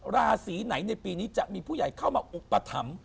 ราศีไหนในปีนี้จะมีผู้ใหญ่เข้ามาอุปถัมภ์